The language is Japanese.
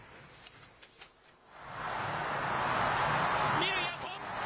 ２塁、アウト。